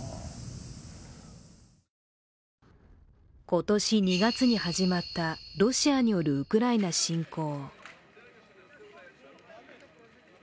今年２月に始まったロシアによるウクライナ侵攻。